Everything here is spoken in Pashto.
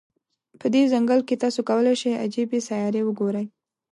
په دې ځنګل کې، تاسو کولای شی عجيبې سیارې وګوری.